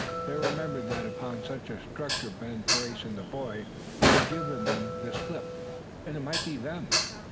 They remembered that upon such a structure Ben Brace and the boy had given them the slip; and it might be them.